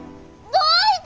どういて？